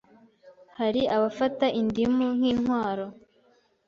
hari abafata indimu nk’intwaro